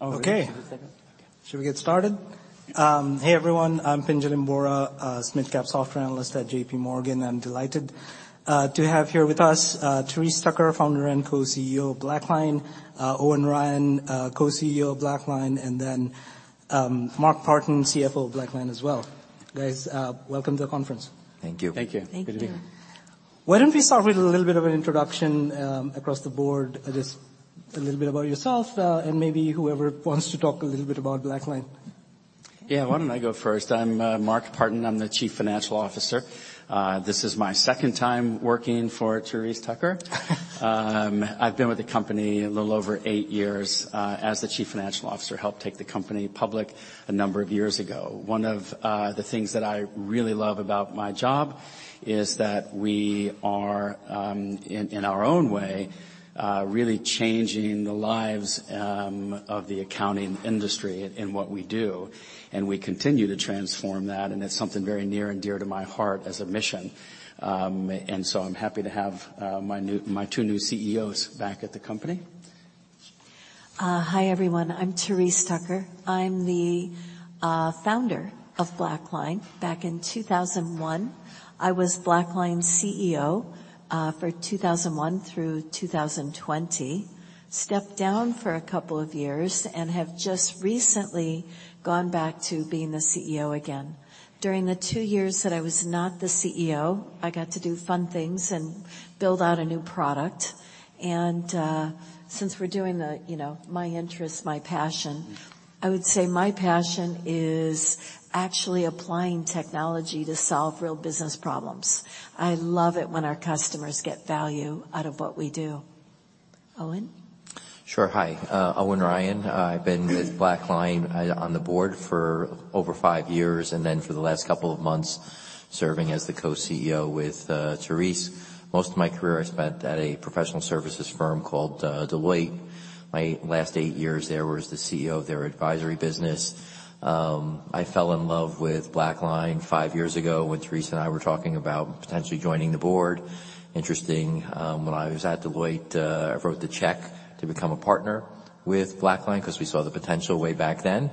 Okay. Should we get started? Hey, everyone, I'm Pinjalim Bora, Small Cap software analyst at JPMorgan. I'm delighted to have here with us Therese Tucker, Founder and Co-CEO of BlackLine, Owen Ryan, Co-CEO of BlackLine, and Mark Partin, CFO of BlackLine as well. Guys, welcome to the conference. Thank you. Thank you. Thank you. Why don't we start with a little bit of an introduction, across the board, just a little bit about yourself, and maybe whoever wants to talk a little bit about BlackLine. Yeah. Why don't I go first? I'm Mark Partin. I'm the Chief Financial Officer. This is my second time working for Therese Tucker. I've been with the company a little over eight years as the Chief Financial Officer. Helped take the company public a number of years ago. One of the things that I really love about my job is that we are in our own way really changing the lives of the accounting industry in what we do. We continue to transform that, and it's something very near and dear to my heart as a mission. I'm happy to have my two new CEOs back at the company. Hi, everyone. I'm Therese Tucker. I'm the founder of BlackLine. Back in 2001, I was BlackLine's CEO for 2001 through 2020. Stepped down for a couple of years and have just recently gone back to being the CEO again. During the two years that I was not the CEO, I got to do fun things and build out a new product. Since we're doing the, you know, my interest, my passion. Mm-hmm. I would say my passion is actually applying technology to solve real business problems. I love it when our customers get value out of what we do. Owen? Sure. Hi, Owen Ryan. I've been with BlackLine on the board for over five years, and then for the last couple of months, serving as the co-CEO with Therese. Most of my career I spent at a professional services firm called Deloitte. My last eight years there was the CEO of their advisory business. I fell in love with BlackLine five years ago when Therese and I were talking about potentially joining the board. Interesting, when I was at Deloitte, I wrote the check to become a partner with BlackLine 'cause we saw the potential way back then.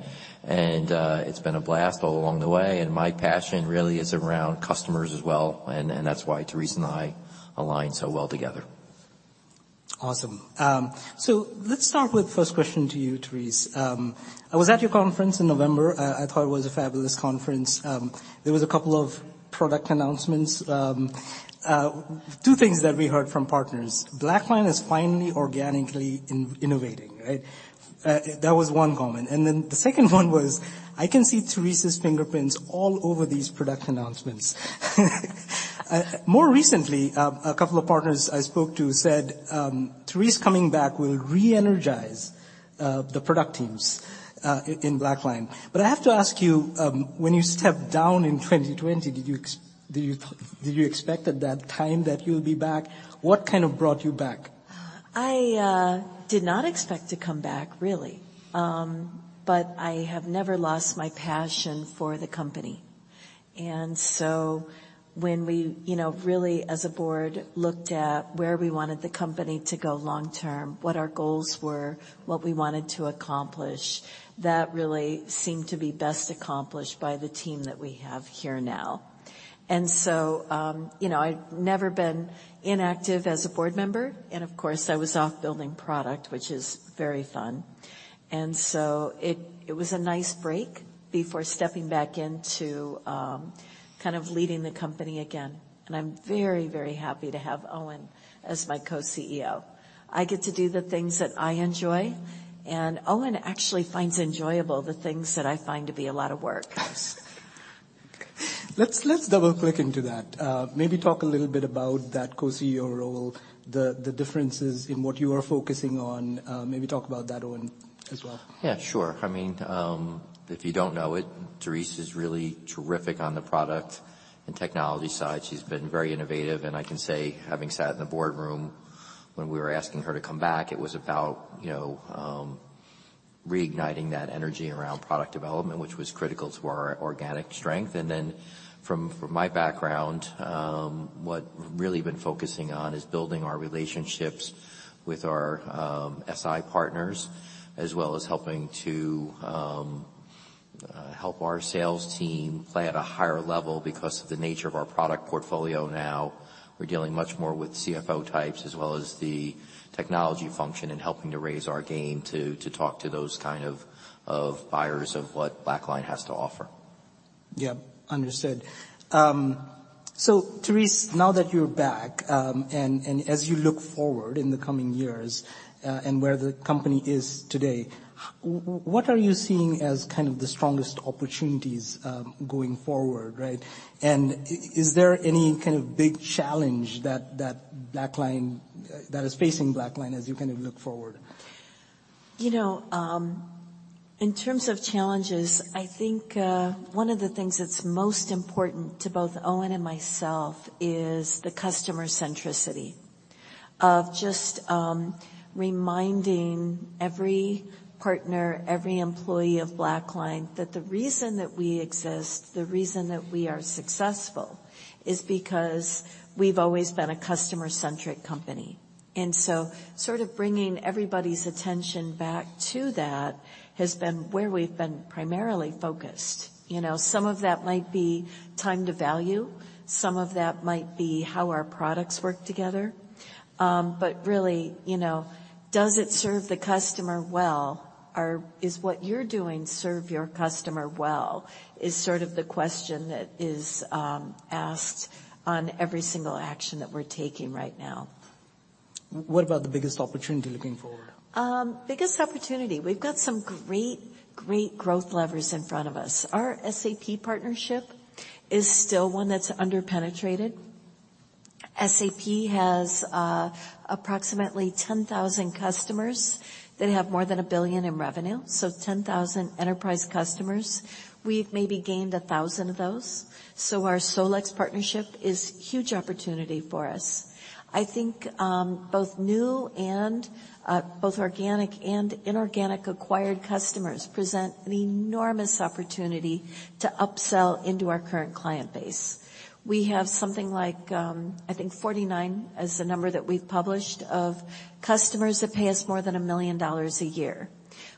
It's been a blast all along the way, and my passion really is around customers as well. That's why Therese and I align so well together. Awesome. Let's start with first question to you, Therese. I was at your conference in November. I thought it was a fabulous conference. There was a couple of product announcements. Two things that we heard from partners. BlackLine is finally organically innovating, right? That was one comment. Then the second one was, "I can see Therese's fingerprints all over these product announcements." More recently, a couple of partners I spoke to said, "Therese coming back will re-energize the product teams in BlackLine." I have to ask you, when you stepped down in 2020, did you expect at that time that you'll be back? What kind of brought you back? I did not expect to come back really. I have never lost my passion for the company. When we, you know, really, as a board, looked at where we wanted the company to go long term, what our goals were, what we wanted to accomplish, that really seemed to be best accomplished by the team that we have here now. You know, I'd never been inactive as a board member, and of course, I was off building product, which is very fun. It, it was a nice break before stepping back into kind of leading the company again. I'm very, very happy to have Owen as my Co-CEO. I get to do the things that I enjoy, and Owen actually finds enjoyable the things that I find to be a lot of work. Let's double-click into that. Maybe talk a little bit about that co-CEO role, the differences in what you are focusing on. Maybe talk about that, Owen, as well. Yeah, sure. I mean, if you don't know it, Therese is really terrific on the product and technology side. She's been very innovative, and I can say, having sat in the boardroom when we were asking her to come back, it was about, you know, reigniting that energy around product development, which was critical to our organic strength. Then from my background, what really been focusing on is building our relationships with our SI partners, as well as helping to help our sales team play at a higher level because of the nature of our product portfolio now. We're dealing much more with CFO types as well as the technology function and helping to raise our game to talk to those kind of buyers of what BlackLine has to offer. Yeah. Understood. Therese, now that you're back, and as you look forward in the coming years, and where the company is today, what are you seeing as kind of the strongest opportunities, going forward, right? Is there any kind of big challenge that is facing BlackLine as you kind of look forward? You know, in terms of challenges, I think, one of the things that's most important to both Owen and myself is the customer centricity. Of just, reminding every partner, every employee of BlackLine that the reason that we exist, the reason that we are successful, is because we've always been a customer-centric company. Sort of bringing everybody's attention back to that has been where we've been primarily focused. You know, some of that might be time to value, some of that might be how our products work together. Really, you know, does it serve the customer well? Is what you're doing serve your customer well, is sort of the question that is asked on every single action that we're taking right now. What about the biggest opportunity looking forward? Biggest opportunity. We've got some great growth levers in front of us. Our SAP partnership is still one that's under-penetrated. SAP has approximately 10,000 customers that have more than $1 billion in revenue, so 10,000 enterprise customers. We've maybe gained 1,000 of those. Our SolEx partnership is huge opportunity for us. I think both new and both organic and inorganic acquired customers present an enormous opportunity to upsell into our current client base. We have something like, I think 49 is the number that we've published, of customers that pay us more than $1 million a year.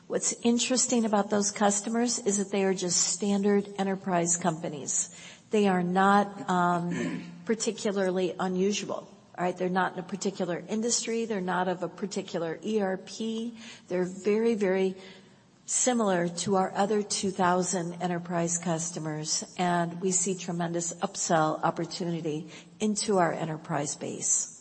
What's interesting about those customers is that they are just standard enterprise companies. They are not particularly unusual, all right? They're not in a particular industry. They're not of a particular ERP. They're very, very similar to our other 2,000 enterprise customers. We see tremendous upsell opportunity into our enterprise base.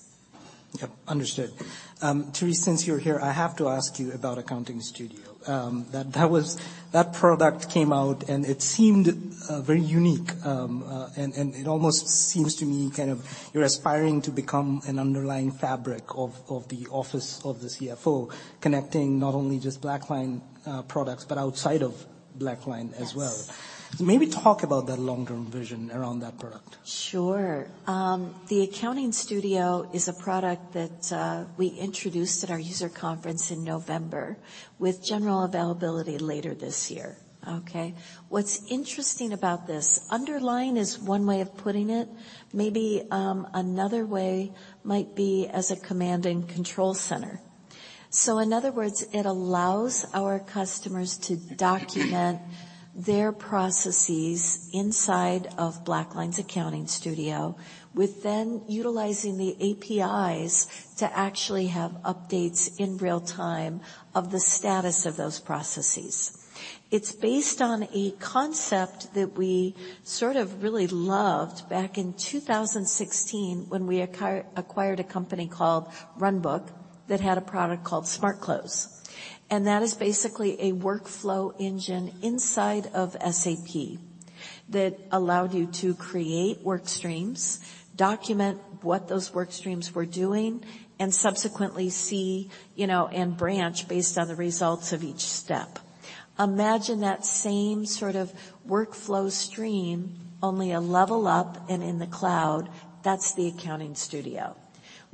Yep, understood. Therese, since you're here, I have to ask you about Accounting Studio. That product came out, and it seemed very unique. It almost seems to me kind of you're aspiring to become an underlying fabric of the office of the CFO, connecting not only just BlackLine products, but outside of BlackLine as well. Yes. Maybe talk about the long-term vision around that product. Sure. The Accounting Studio is a product that we introduced at our user conference in November with general availability later this year, okay? What's interesting about this, underlying is one way of putting it. Maybe, another way might be as a command and control center. In other words, it allows our customers to document their processes inside of BlackLine's Accounting Studio, with then utilizing the APIs to actually have updates in real time of the status of those processes. It's based on a concept that we sort of really loved back in 2016 when we acquired a company called Runbook that had a product called Smart Close. That is basically a workflow engine inside of SAP that allowed you to create work streams, document what those work streams were doing, and subsequently see, you know, and branch based on the results of each step. Imagine that same sort of workflow stream, only a level up and in the cloud. That's the Accounting Studio.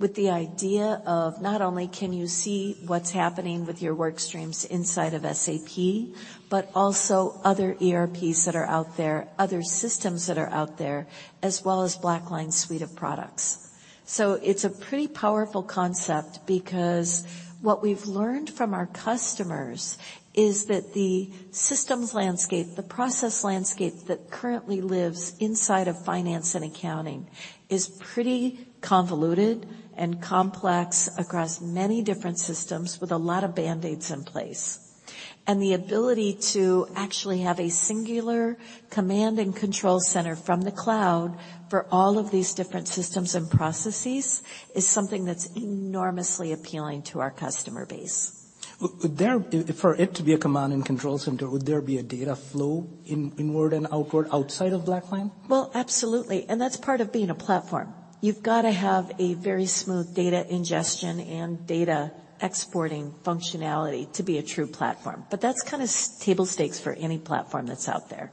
With the idea of not only can you see what's happening with your work streams inside of SAP, but also other ERPs that are out there, other systems that are out there, as well as BlackLine's suite of products. It's a pretty powerful concept because what we've learned from our customers is that the systems landscape, the process landscape that currently lives inside of finance and accounting is pretty convoluted and complex across many different systems with a lot of band-aids in place. The ability to actually have a singular command and control center from the cloud for all of these different systems and processes is something that's enormously appealing to our customer base. For it to be a command and control center, would there be a data flow in, inward and outward outside of BlackLine? Absolutely, and that's part of being a platform. You've gotta have a very smooth data ingestion and data exporting functionality to be a true platform, but that's kinda table stakes for any platform that's out there.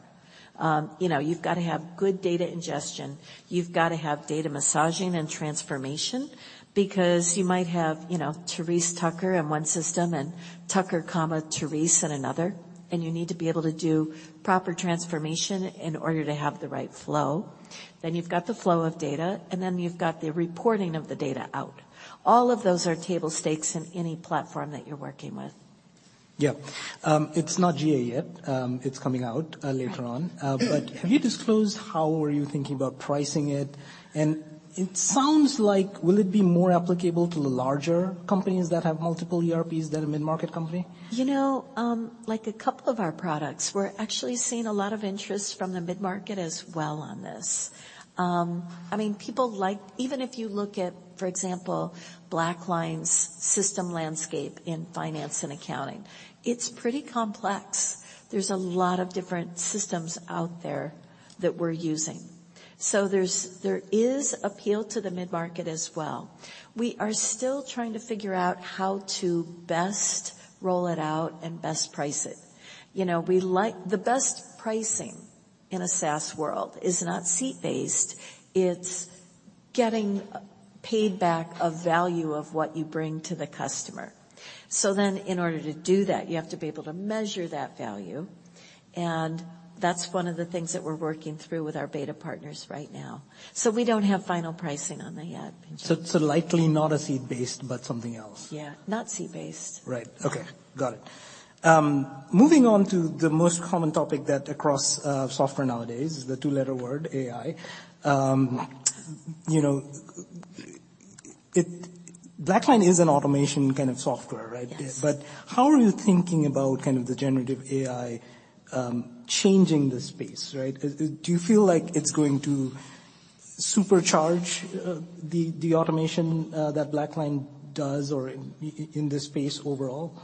You know, you've gotta have good data ingestion. You've gotta have data massaging and transformation because you might have, you know, Therese Tucker in one system and Tucker comma Therese in another, and you need to be able to do proper transformation in order to have the right flow. You've got the flow of data, and then you've got the reporting of the data out. All of those are table stakes in any platform that you're working with. Yeah. It's not GA yet. It's coming out, later on. Have you disclosed how are you thinking about pricing it? It sounds like will it be more applicable to the larger companies that have multiple ERPs than a mid-market company? You know, like a couple of our products, we're actually seeing a lot of interest from the mid-market as well on this. I mean, people like. Even if you look at, for example, BlackLine's system landscape in finance and accounting, it's pretty complex. There's a lot of different systems out there that we're using. There is appeal to the mid-market as well. We are still trying to figure out how to best roll it out and best price it. You know, we like. The best pricing in a SaaS world is not seat-based, it's getting paid back of value of what you bring to the customer. In order to do that, you have to be able to measure that value. That's one of the things that we're working through with our beta partners right now. We don't have final pricing on that yet. likely not a seat-based, but something else? Yeah. Not seat-based. Right. Okay. Got it. Moving on to the most common topic that across software nowadays, the two-letter word, AI. You know, BlackLine is an automation kind of software, right? Yes. How are you thinking about kind of the generative AI, changing the space, right? Do you feel like it's going to supercharge the automation that BlackLine does or in the space overall?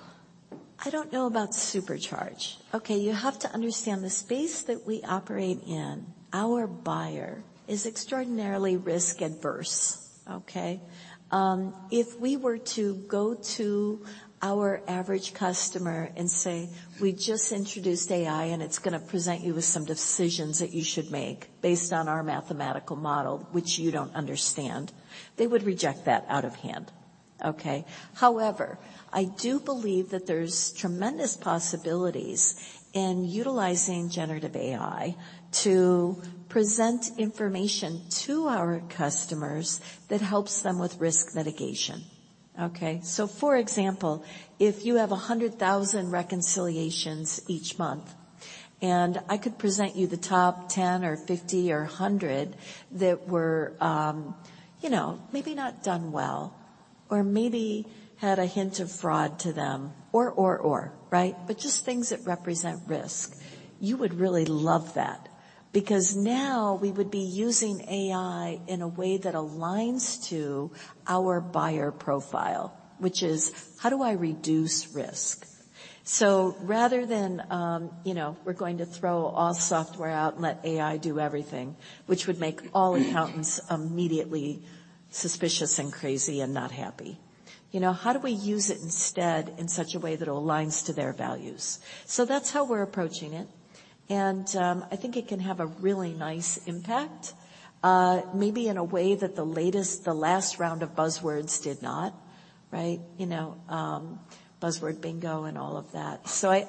I don't know about supercharge. Okay, you have to understand the space that we operate in, our buyer is extraordinarily risk-averse, okay? If we were to go to our average customer and say, "We just introduced AI, and it's gonna present you with some decisions that you should make based on our mathematical model, which you don't understand," they would reject that out of hand, okay? I do believe that there's tremendous possibilities in utilizing generative AI to present information to our customers that helps them with risk mitigation, okay? For example, if you have 100,000 reconciliations each month, and I could present you the top 10 or 50 or 100 that were, you know, maybe not done well or maybe had a hint of fraud to them or, right? Just things that represent risk. You would really love that because now we would be using AI in a way that aligns to our buyer profile, which is, how do I reduce risk? Rather than, you know, we're going to throw all software out and let AI do everything, which would make all accountants immediately suspicious and crazy and not happy, you know, how do we use it instead in such a way that aligns to their values? That's how we're approaching it, and I think it can have a really nice impact, maybe in a way that the last round of buzzwords did not, right? You know, buzzword bingo and all of that.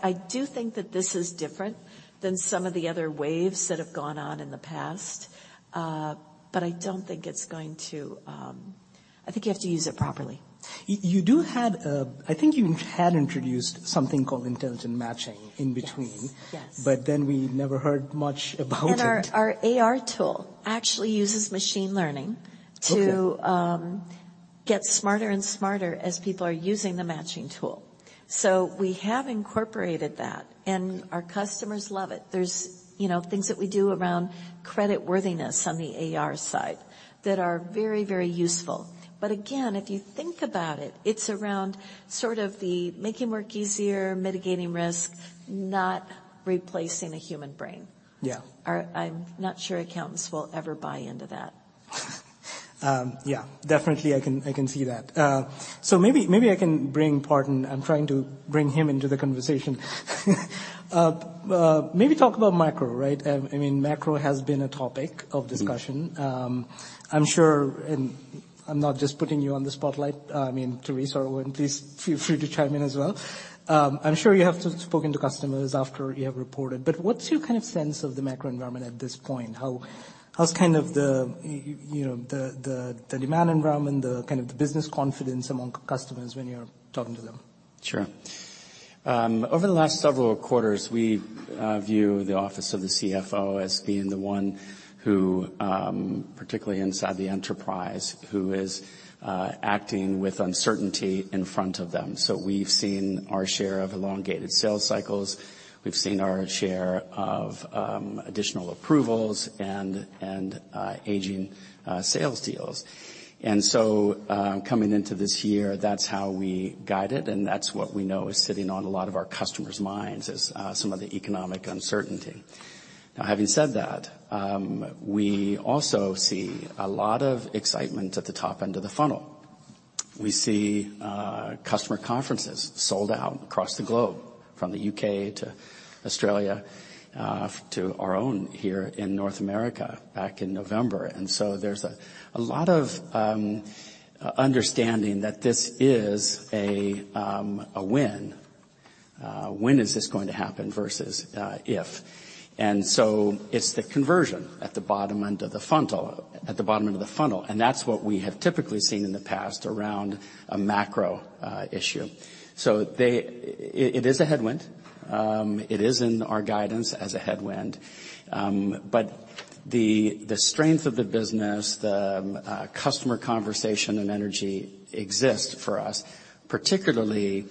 I do think that this is different than some of the other waves that have gone on in the past, I don't think it's going to. I think you have to use it properly. You do have, I think you had introduced something called Intelligent Matching in between. Yes. Yes. We never heard much about it. Our AR tool actually uses machine learning. Okay to get smarter and smarter as people are using the matching tool. We have incorporated that, and our customers love it. There's, you know, things that we do around creditworthiness on the AR side that are very, very useful. Again, if you think about it's around sort of the making work easier, mitigating risk, not replacing a human brain. Yeah. I'm not sure accountants will ever buy into that. Yeah. Definitely, I can, I can see that. Maybe, maybe I can bring Partin. I'm trying to bring him into the conversation. Maybe talk about macro, right? I mean, macro has been a topic of discussion. I'm sure, and I'm not just putting you on the spotlight, I mean, Therese or Owen, please feel free to chime in as well. I'm sure you have spoken to customers after you have reported, what's your kind of sense of the macro environment at this point? How, how's kind of the demand environment, the kind of the business confidence among customers when you're talking to them? Sure. Over the last several quarters, we view the office of the CFO as being the one who, particularly inside the enterprise, who is acting with uncertainty in front of them. We've seen our share of elongated sales cycles, we've seen our share of additional approvals and aging sales deals. Coming into this year, that's how we guide it and that's what we know is sitting on a lot of our customers' minds is some of the economic uncertainty. Now, having said that, we also see a lot of excitement at the top end of the funnel. We see customer conferences sold out across the globe, from the UK to Australia, to our own here in North America back in November. There's a lot of understanding that this is a when. When is this going to happen versus if. It's the conversion at the bottom end of the funnel, and that's what we have typically seen in the past around a macro issue. It is a headwind. It is in our guidance as a headwind. But the strength of the business, the customer conversation and energy exists for us, particularly in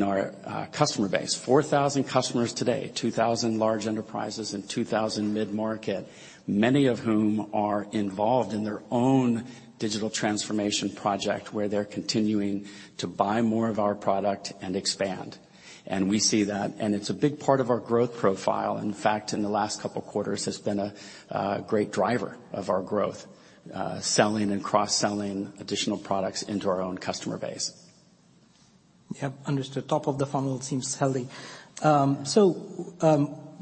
our customer base. 4,000 customers today, 2,000 large enterprises and 2,000 mid-market, many of whom are involved in their own digital transformation project where they're continuing to buy more of our product and expand. We see that, and it's a big part of our growth profile. In fact, in the last couple quarters, it's been a great driver of our growth, selling and cross-selling additional products into our own customer base. Yeah. Understood. Top of the funnel seems healthy.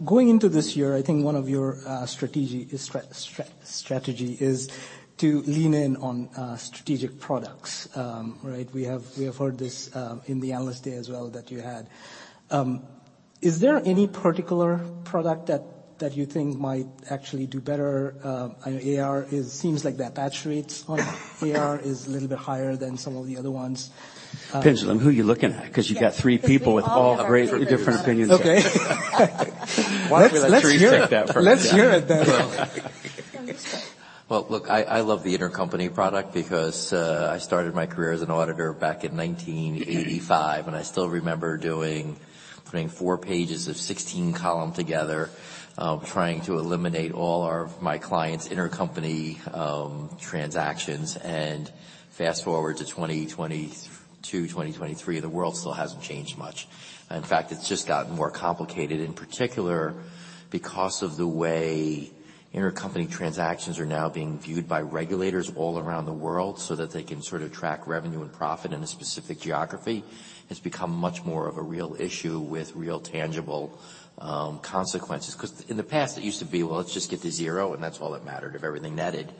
Going into this year, I think one of your strategy is strategy is to lean in on strategic products, right? We have heard this in the Analyst Day as well that you had. Is there any particular product that you think might actually do better? AR seems like the attach rates on AR is a little bit higher than some of the other ones. Pinjalim, who you looking at? 'Cause you got three people with all very different opinions. Okay. Why don't we let Therese take that first? Let's hear it then. Well- You can start. Look, I love the Intercompany product because I started my career as an auditor back in 1985, and I still remember putting four pages of 16-column together, trying to eliminate all my client's intercompany transactions. Fast-forward to 2022, 2023, the world still hasn't changed much. In fact, it's just gotten more complicated, in particular because of the way intercompany transactions are now being viewed by regulators all around the world so that they can sort of track revenue and profit in a specific geography. It's become much more of a real issue with real tangible consequences. 'Cause in the past it used to be, "Well, let's just get to zero," and that's all that mattered, if everything netted.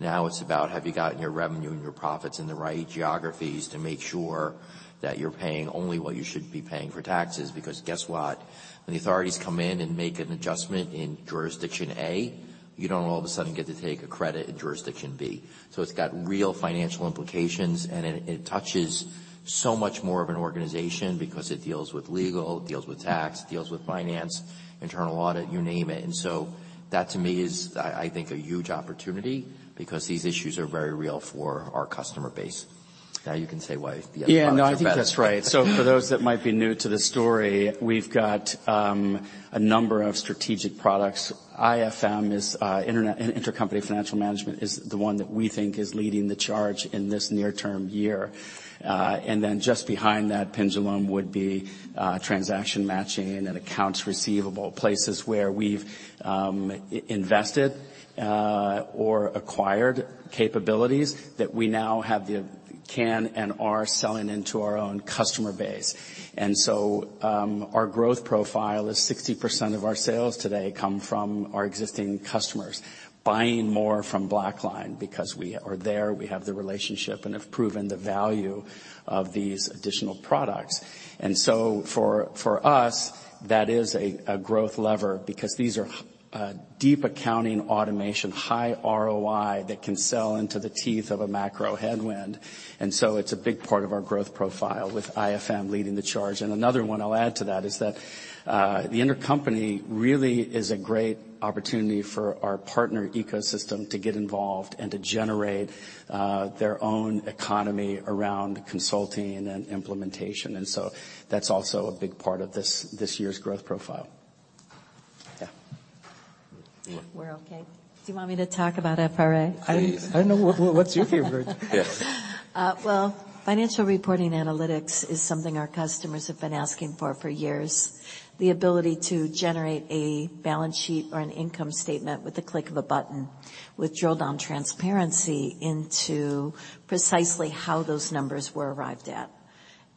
Now it's about have you gotten your revenue and your profits in the right geographies to make sure that you're paying only what you should be paying for taxes. Because guess what? When the authorities come in and make an adjustment in jurisdiction A, you don't all of a sudden get to take a credit in jurisdiction B. It's got real financial implications, and it touches so much more of an organization because it deals with legal, it deals with tax, it deals with finance, internal audit, you name it. That to me is I think, a huge opportunity because these issues are very real for our customer base. Now you can say why the other products are better. Yeah. No, I think that's right. For those that might be new to the story, we've got a number of strategic products. IFM is Intercompany Financial Management is the one that we think is leading the charge in this near-term year. Just behind that Pinjalim would be Transaction Matching and Accounts Receivable. Places where we've invested or acquired capabilities that we now have can and are selling into our own customer base. Our growth profile is 60% of our sales today come from our existing customers buying more from BlackLine because we are there, we have the relationship and have proven the value of these additional products. For us, that is a growth lever because these are deep accounting automation, high ROI that can sell into the teeth of a macro headwind. It's a big part of our growth profile with IFM leading the charge. Another one I'll add to that is that the intercompany really is a great opportunity for our partner ecosystem to get involved and to generate their own economy around consulting and implementation. That's also a big part of this year's growth profile. Yeah. You want- We're okay. Do you want me to talk about FRA? Please. I don't know. What's your favorite? Yes. Well, Financial Reporting Analytics is something our customers have been asking for for years. The ability to generate a balance sheet or an income statement with the click of a button, with drill-down transparency into precisely how those numbers were arrived at.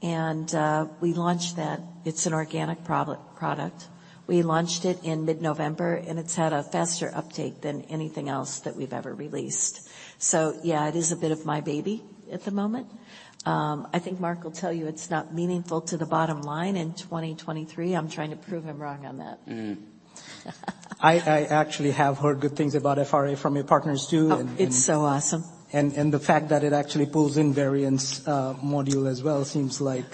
We launched that. It's an organic product. We launched it in mid-November, and it's had a faster uptake than anything else that we've ever released. Yeah, it is a bit of my baby at the moment. I think Mark will tell you it's not meaningful to the bottom line in 2023. I'm trying to prove him wrong on that. Mm. I actually have heard good things about FRA from your partners too. Oh, it's so awesome! ... the fact that it actually pulls in variance module as well seems like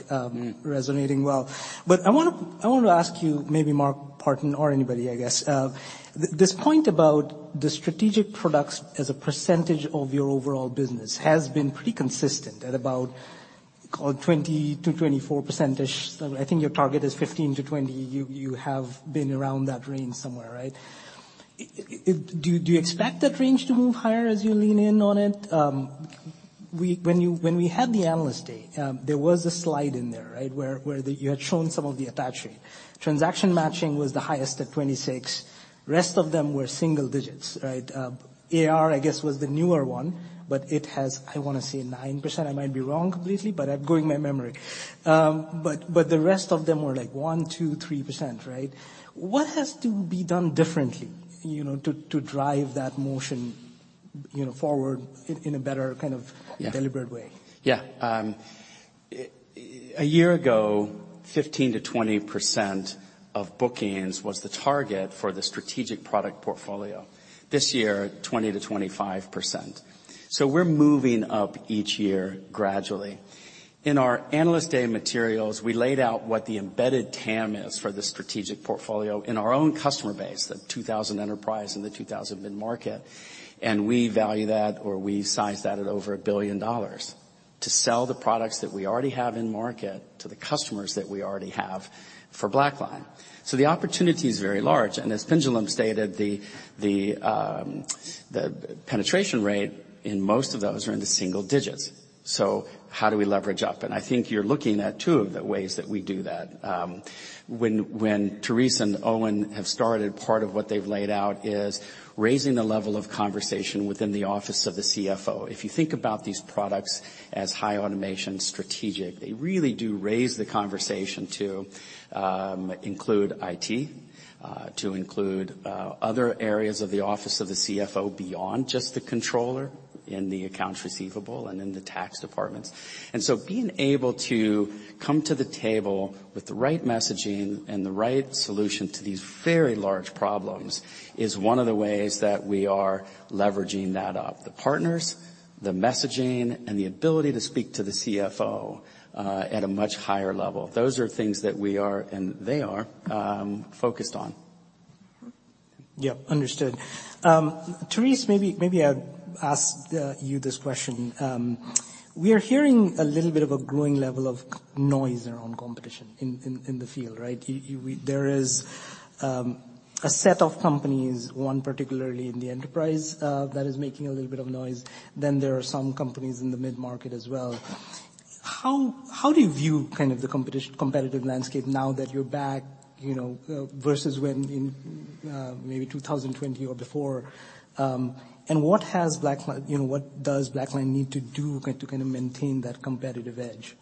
resonating well. I want to ask you, maybe Mark Partin or anybody, I guess. This point about the strategic products as a percentage of your overall business has been pretty consistent at about call it 20%-24%. I think your target is 15%-20%. You have been around that range somewhere, right? Do you expect that range to move higher as you lean in on it? When we had the Analyst Day, there was a slide in there, right? You had shown some of the attach rate. Transaction Matching was the highest at 26. Rest of them were single digits, right? AR, I guess, was the newer one, but it has, I wanna say, 9%. I might be wrong completely, but I'm going my memory. The rest of them were like 1%, 2%, 3%, right? What has to be done differently, you know, to drive that motion, you know, forward in a better, kind of- Yes... deliberate way? Yeah. A year ago, 15%-20% of bookings was the target for the strategic product portfolio. This year, 20%-25%. We're moving up each year gradually. In our Analyst Day materials, we laid out what the embedded TAM is for the strategic portfolio in our own customer base, the 2,000 enterprise and the 2,000 mid-market. We value that, or we size that at over $1 billion to sell the products that we already have in market to the customers that we already have for BlackLine. The opportunity is very large. As Pinjalim stated, the, the penetration rate in most of those are in the single digits. How do we leverage up? I think you're looking at two of the ways that we do that. When Therese and Owen have started, part of what they've laid out is raising the level of conversation within the office of the CFO. If you think about these products as high automation strategic, they really do raise the conversation to include IT, to include other areas of the office of the CFO beyond just the controller in the accounts receivable and in the tax departments. Being able to come to the table with the right messaging and the right solution to these very large problems is one of the ways that we are leveraging that up. The partners, the messaging, and the ability to speak to the CFO at a much higher level. Those are things that we are, and they are, focused on. Yep, understood. Therese, maybe I'll ask you this question. We are hearing a little bit of a growing level of noise around competition in the field, right? There is a set of companies, one particularly in the enterprise, that is making a little bit of noise. There are some companies in the mid-market as well. How do you view kind of the competitive landscape now that you're back, you know, versus when in maybe 2020 or before? You know, what does BlackLine need to do to kinda maintain that competitive edge?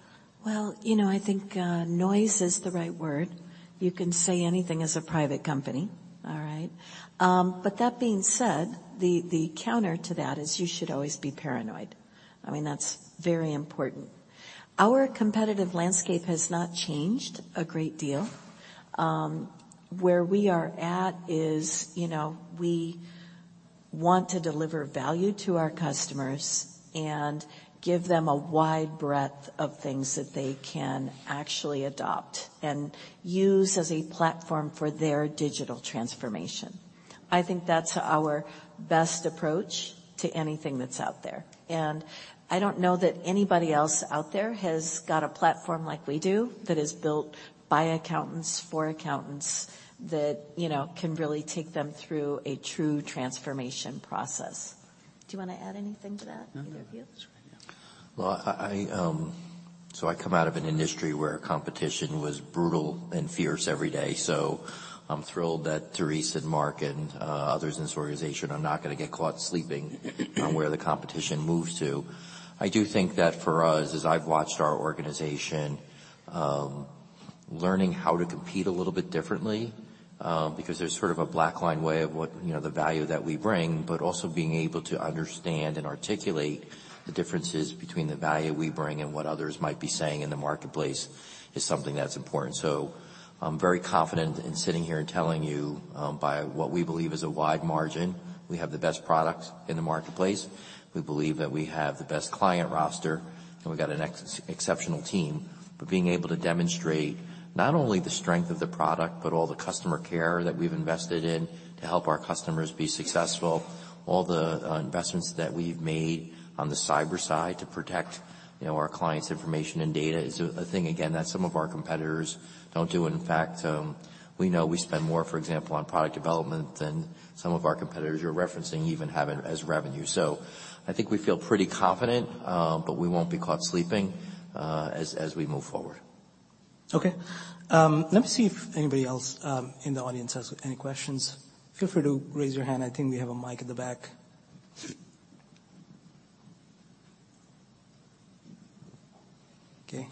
Well, you know, I think noise is the right word. You can say anything as a private company, all right? That being said, the counter to that is you should always be paranoid. I mean, that's very important. Our competitive landscape has not changed a great deal. Where we are at is, you know, we want to deliver value to our customers and give them a wide breadth of things that they can actually adopt and use as a platform for their digital transformation. I think that's our best approach to anything that's out there. I don't know that anybody else out there has got a platform like we do that is built by accountants for accountants that, you know, can really take them through a true transformation process. Do you wanna add anything to that, either of you? No. Well, I come out of an industry where competition was brutal and fierce every day. I'm thrilled that Therese and Mark and others in this organization are not gonna get caught sleeping on where the competition moves to. I do think that for us, as I've watched our organization, learning how to compete a little bit differently, because there's sort of a BlackLine way of what, you know, the value that we bring. Also being able to understand and articulate the differences between the value we bring and what others might be saying in the marketplace is something that's important. I'm very confident in sitting here and telling you, by what we believe is a wide margin, we have the best products in the marketplace. We believe that we have the best client roster. We've got an exceptional team. Being able to demonstrate not only the strength of the product, but all the customer care that we've invested in to help our customers be successful, all the investments that we've made on the cyber side to protect, you know, our clients' information and data is a thing, again, that some of our competitors don't do. In fact, we know we spend more, for example, on product development than some of our competitors you're referencing even have as revenue. I think we feel pretty confident, but we won't be caught sleeping as we move forward. Let me see if anybody else in the audience has any questions. Feel free to raise your hand. I think we have a mic at the back.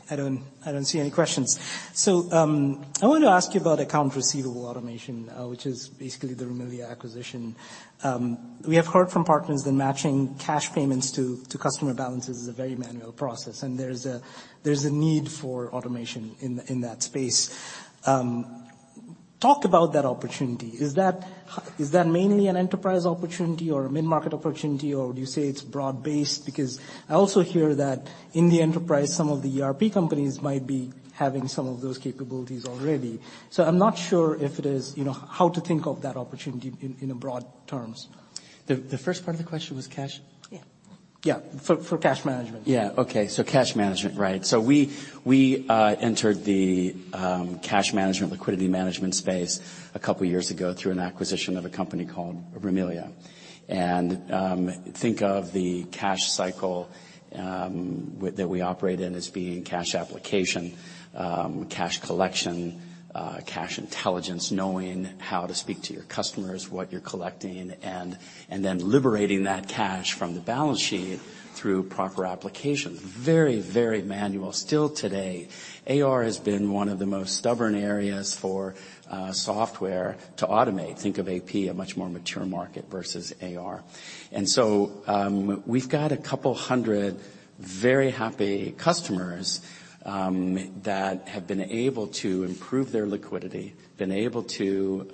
I don't see any questions. I want to ask you about Accounts Receivable Automation, which is basically the Rimilia acquisition. We have heard from partners that matching cash payments to customer balances is a very manual process, and there's a need for automation in that space. Talk about that opportunity. Is that mainly an enterprise opportunity or a mid-market opportunity, or would you say it's broad-based? Because I also hear that in the enterprise, some of the ERP companies might be having some of those capabilities already. I'm not sure if it is, you know, how to think of that opportunity in broad terms. The first part of the question was cash? Yeah. Yeah, for cash management. Yeah. Okay, cash management, right. We, we entered the cash management, liquidity management space two years ago through an acquisition of a company called Rimilia. Think of the cash cycle that we operate in as being cash application, cash collection, cash intelligence, knowing how to speak to your customers, what you're collecting, and then liberating that cash from the balance sheet through proper application. Very, very manual. Still today, AR has been one of the most stubborn areas for software to automate. Think of AP, a much more mature market versus AR. We've got a couple hundred very happy customers that have been able to improve their liquidity, been able to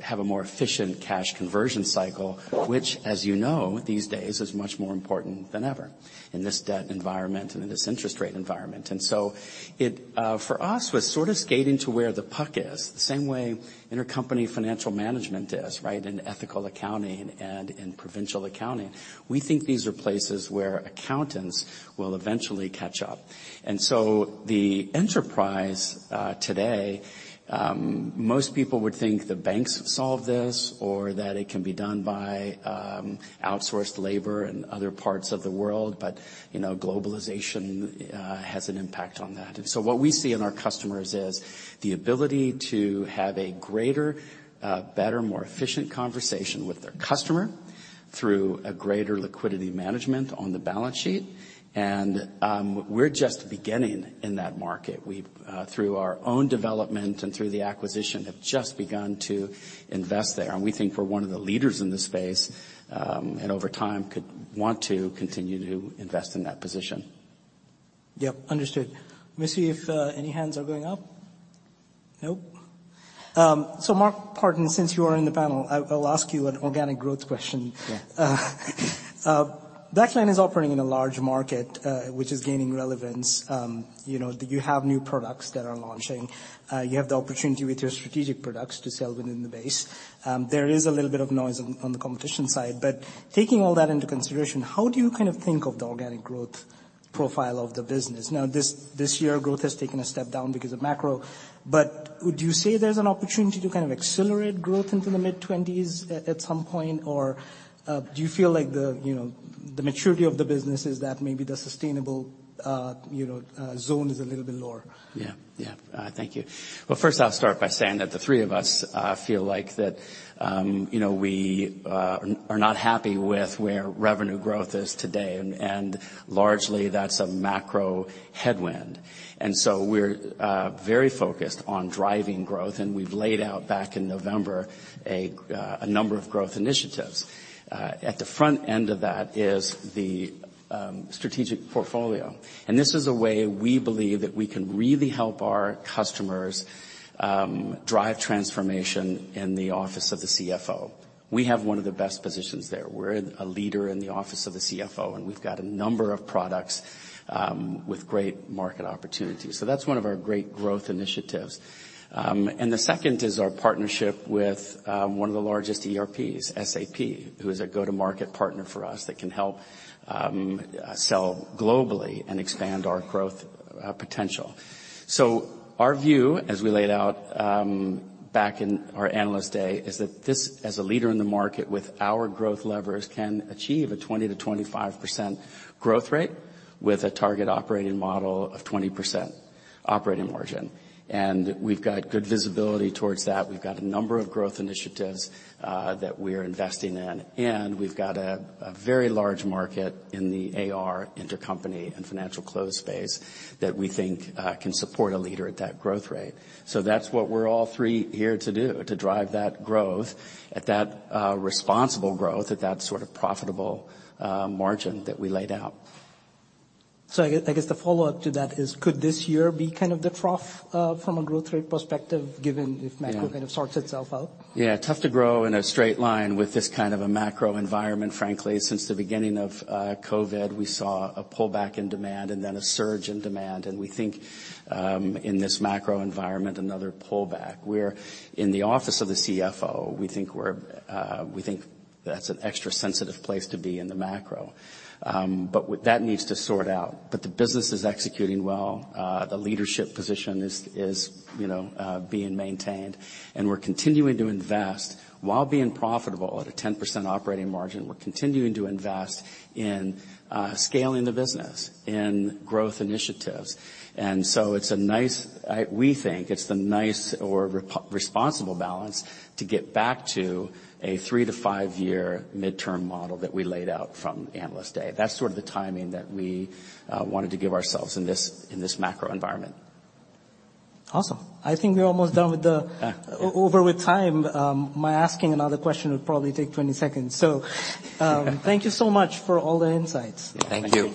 have a more efficient cash conversion cycle, which, as you know, these days is much more important than ever in this debt environment and in this interest rate environment. It for us, was sort of skating to where the puck is, the same way Intercompany Financial Management is, right? In foundational accounting and in provincial accounting. We think these are places where accountants will eventually catch up. The enterprise today, most people would think the banks solve this or that it can be done by outsourced labor in other parts of the world, but, you know, globalization has an impact on that. What we see in our customers is the ability to have a greater, a better, more efficient conversation with their customer through a greater liquidity management on the balance sheet, and we're just beginning in that market. We've through our own development and through the acquisition, have just begun to invest there. We think we're one of the leaders in this space, and over time could want to continue to invest in that position. Yep, understood. Let me see if any hands are going up. Nope. Mark Partin, since you are in the panel, I'll ask you an organic growth question. Yeah. BlackLine is operating in a large market, which is gaining relevance. You know, that you have new products that are launching, you have the opportunity with your strategic products to sell within the base. There is a little bit of noise on the competition side. Taking all that into consideration, how do you kind of think of the organic growth profile of the business? Now, this year growth has taken a step down because of macro, would you say there's an opportunity to kind of accelerate growth into the mid-twenties at some point? Do you feel like the, you know, the maturity of the business is that maybe the sustainable, you know, zone is a little bit lower? Yeah. Yeah. Thank you. Well, first I'll start by saying that the three of us feel like that, you know, we are not happy with where revenue growth is today, and largely that's a macro headwind. We're very focused on driving growth, and we've laid out back in November a number of growth initiatives. At the front end of that is the strategic portfolio. This is a way we believe that we can really help our customers drive transformation in the office of the CFO. We have one of the best positions there. We're a leader in the office of the CFO, and we've got a number of products with great market opportunities. That's one of our great growth initiatives. The second is our partnership with one of the largest ERPs, SAP, who is a go-to-market partner for us that can help sell globally and expand our growth potential. Our view, as we laid out back in our Analyst Day, is that this, as a leader in the market with our growth levers, can achieve a 20%-25% growth rate with a target operating model of 20% operating margin. We've got good visibility towards that. We've got a number of growth initiatives that we're investing in, and we've got a very large market in the AR intercompany and financial close space that we think can support a leader at that growth rate. That's what we're all three here to do, to drive that growth at that responsible growth at that sort of profitable margin that we laid out. I guess the follow-up to that is could this year be kind of the trough, from a growth rate perspective, given if macro-. Yeah... kind of sorts itself out? Yeah, tough to grow in a straight line with this kind of a macro environment, frankly. Since the beginning of COVID, we saw a pullback in demand and then a surge in demand. We think in this macro environment, another pullback. We're in the office of the CFO, we think that's an extra sensitive place to be in the macro. That needs to sort out. The business is executing well. The leadership position is, you know, being maintained, and we're continuing to invest. While being profitable at a 10% operating margin, we're continuing to invest in scaling the business in growth initiatives. It's a nice... We think it's the nice or rep-responsible balance to get back to a three to five year midterm model that we laid out from Analyst Day. That's sort of the timing that we wanted to give ourselves in this, in this macro environment. Awesome. I think we're almost done. Yeah. Over with time. My asking another question would probably take 20 seconds. Thank you so much for all the insights. Thank you.